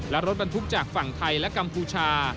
และรถบรรทุกจากฝั่งไทยและกัมพูชา